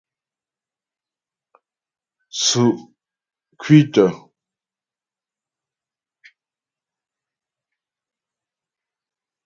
Tsʉ́' kwítə.